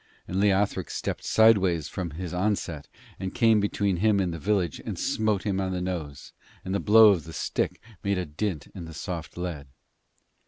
And Leothric stepped sideways from his onset, and came between him and the village and smote him on the nose, and the blow of the stick made a dint in the soft lead.